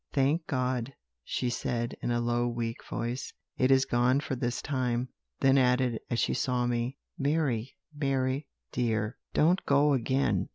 "'Thank God,' she said, in a low, weak voice, 'it is gone for this time;' then added, as she saw me, 'Mary, Mary dear, don't go again.